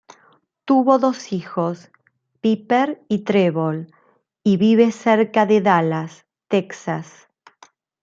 Tuvo dos hijos, Piper y Trevor y vive cerca de Dallas, Texas.